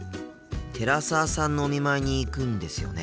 寺澤さんのお見舞いに行くんですよね？